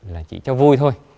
là chỉ cho vui thôi